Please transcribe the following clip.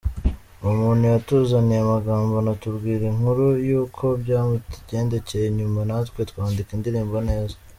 Uwo muntu yatuzaniye amagambo anatubwira inkuru y’uko byamugendekeye nyuma natwe twandika indirimbo neza.